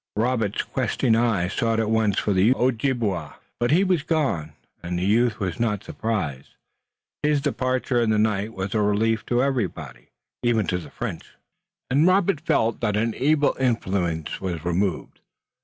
Robert's questing eye sought at once for the Ojibway, but he was gone, and the youth was not surprised. His departure in the night was a relief to everybody, even to the French, and Robert felt that an evil influence was removed.